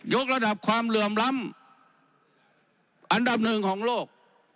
กระดับความเหลื่อมล้ำอันดับหนึ่งของโลก